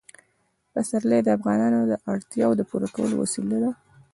پسرلی د افغانانو د اړتیاوو د پوره کولو وسیله ده.